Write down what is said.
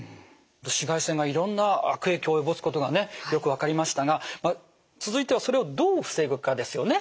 紫外線がいろんな悪影響を及ぼすことがねよく分かりましたが続いてはそれをどう防ぐかですよね。